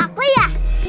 tante guru aku ya